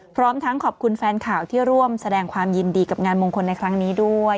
พร้อมทั้งขอบคุณแฟนข่าวที่ร่วมแสดงความยินดีกับงานมงคลในครั้งนี้ด้วย